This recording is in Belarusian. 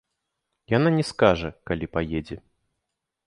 Яна не скажа, калі паедзе.